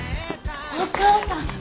お母さん！